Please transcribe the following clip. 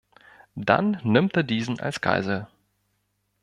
Dann nimmt er diesen als Geisel.